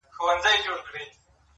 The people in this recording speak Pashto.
o چي نې غواړم، مې را پېښوې!